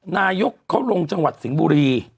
นายกเขาลงจังหวัดสิงห์บุรี